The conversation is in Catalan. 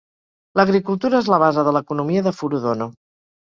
L'agricultura és la base de l'economia de Furudono.